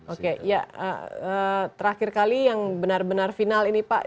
oke ya terakhir kali yang benar benar final ini pak